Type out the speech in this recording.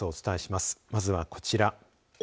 まずはこちら。